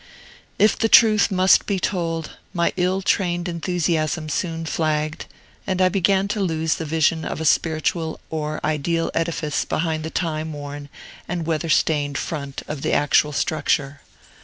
If the truth must be told, my ill trained enthusiasm soon flagged, and I began to lose the vision of a spiritual or ideal edifice behind the time worn and weather stained front of the actual structure.